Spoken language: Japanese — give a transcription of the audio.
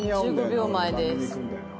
１５秒前です。